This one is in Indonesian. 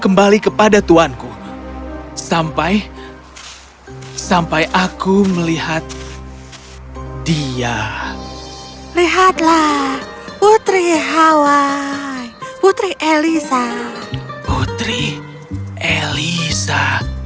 kembali kepada tuhanku sampai aku melihat dia lihatlah putri halai putri elisa putri elisa